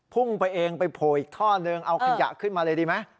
พุ่งไปเองไปโผล่อีกท่อนึงเอาขยะขึ้นมาเลยดีไหม